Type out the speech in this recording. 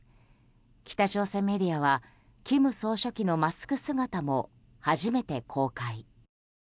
北朝鮮メディアは金総書記のマスク姿も初めて公開。